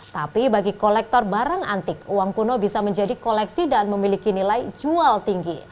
tapi bagi kolektor barang antik uang kuno bisa menjadi koleksi dan memiliki nilai jual tinggi